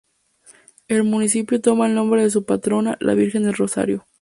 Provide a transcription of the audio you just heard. El municipio toma el nombre de su patrona, la Virgen del Rosario.